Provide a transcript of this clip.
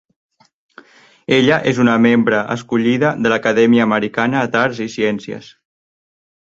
Ella és una membre escollida de l'Acadèmia Americana d'Arts i Ciències.